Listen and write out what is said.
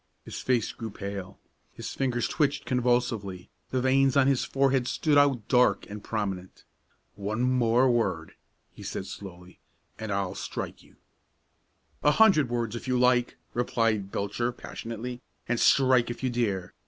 His face grew pale. His fingers twitched convulsively, the veins on his forehead stood out dark and prominent. "One more word," he said slowly, "and I'll strike you." "A hundred words if you like," replied Belcher, passionately, "and strike if you dare!